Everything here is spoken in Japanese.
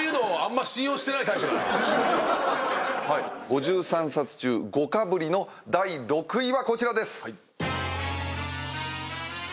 ５３冊中５かぶりの第６位はこちらです。